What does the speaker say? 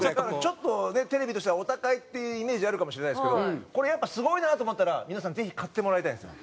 ちょっとねテレビとしてはお高いっていうイメージあるかもしれないですけどこれやっぱすごいなと思ったら皆さんぜひ買ってもらいたいんですよ。